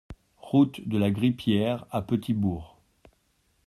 Route de la Grippière à Petit-Bourg